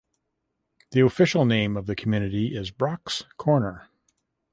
The official name of the community is Brocks Corner.